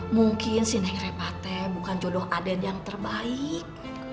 mungkin si nek repate bukan jodoh aden yang terbaik